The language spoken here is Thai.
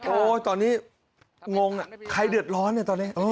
ตอนนี้งงใครเดือดร้อนเนี่ยตอนนี้